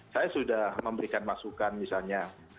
saya sudah memberikan masukan misalnya